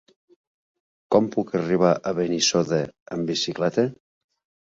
Com puc arribar a Benissoda amb bicicleta?